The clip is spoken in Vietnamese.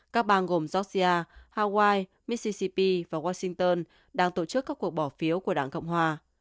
các bang gồm georgia hawaii missisip và washington đang tổ chức các cuộc bỏ phiếu của đảng cộng hòa